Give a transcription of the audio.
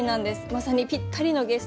まさにぴったりのゲスト！